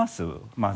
まず。